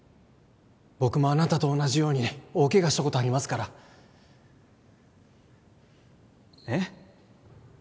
僕もあなたと同じように大ケガしたことありますからえっ？